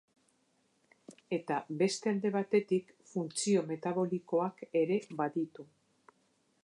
Eta beste alde batetik, funtzio metabolikoak ere baditu.